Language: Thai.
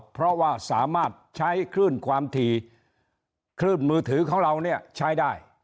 เพราะว่าสามารถใช้คลื่นความถี่คลื่นมือถือของเราเนี่ยใช้ได้